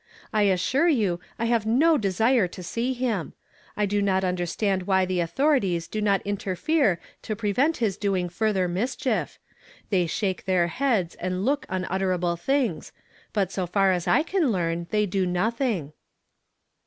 I assure you, I have no desire to see him. I do not under stand why the authorities do not interfere to pre vent his doing further mischief. They shake their heads and look unutterable things ; but so far as I can learn, they do nothing.'"